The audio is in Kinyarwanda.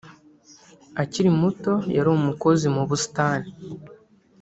akiri muto yari umukozi mu busitani